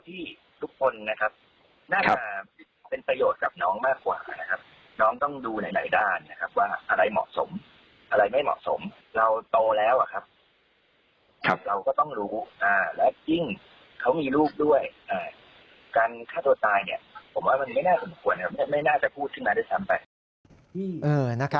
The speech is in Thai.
ไม่น่าจะพูดขึ้นมาด้วยซ้ำไป